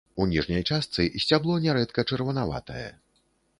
У ніжняй частцы сцябло нярэдка чырванаватае.